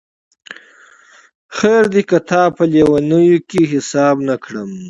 خیر دی که تا په لېونیو کي حساب نه کړمه